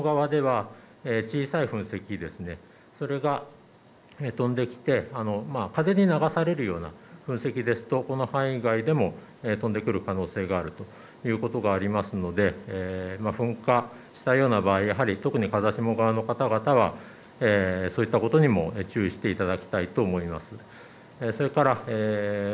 それからここから離れたところでも風下側では、小さい噴石ですねそれが飛んできて風に流されるような噴石ですとこの範囲外でも飛んでくる可能性があるということがありますので噴火したような場合やはり特に風下側の方々はそういったことにも注意していただきたいと思います。